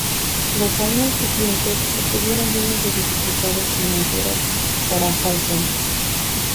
Los años siguientes estuvieron llenos de dificultades financieras para Houghton.